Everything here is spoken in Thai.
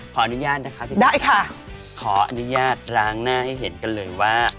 ขออนุญาตนะคะพี่ได้ค่ะขออนุญาตล้างหน้าให้เห็นกันเลยว่า